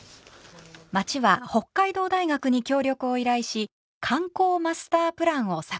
町は北海道大学に協力を依頼し観光マスタープランを作成しました。